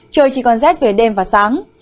trời chỉ còn rét về đêm và sáng